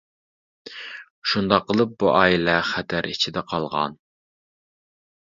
شۇنداق قىلىپ، بۇ ئائىلە خەتەر ئىچىدە قالغان.